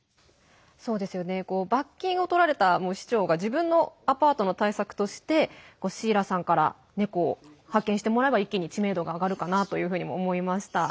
罰金を取られた市長が自分のアパートの対策としてシーラさんからネコを派遣してもらえば一気に知名度が上がるかなというふうにも思いました。